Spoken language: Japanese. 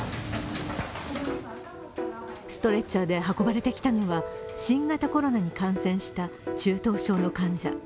ストレッチャーで運ばれてきたのは新型コロナに感染した中等症の患者。